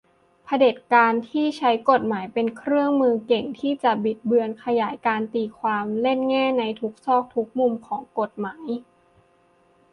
เผด็จการที่ใช้กฎหมายเป็นเครื่องมือ เก่งที่จะบิดเบือน ขยายการตีความ เล่นแง่ในทุกซอกทุกมุมของกฎหมาย